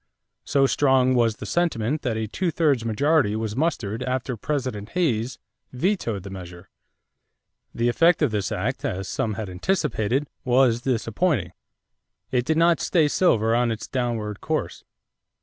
So strong was the sentiment that a two thirds majority was mustered after President Hayes vetoed the measure. The effect of this act, as some had anticipated, was disappointing. It did not stay silver on its downward course.